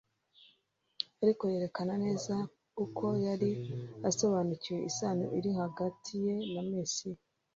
ariko yerekana neza uko yari asobanukiwe isano iri hagati ye na Mesiya,